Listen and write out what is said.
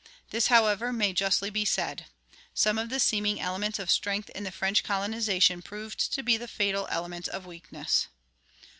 This, however, may justly be said: some of the seeming elements of strength in the French colonization proved to be fatal elements of weakness.